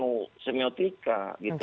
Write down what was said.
ini kan masih bahasa bahasa alun